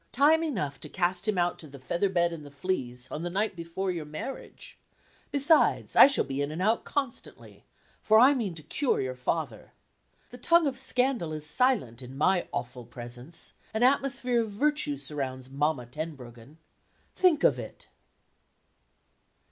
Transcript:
Time enough to cast him out to the feather bed and the fleas on the night before your marriage. Besides, I shall be in and out constantly for I mean to cure your father. The tongue of scandal is silent in my awful presence; an atmosphere of virtue surrounds Mamma Tenbruggen. Think of it."